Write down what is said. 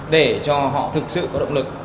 để cho họ thực sự có động lực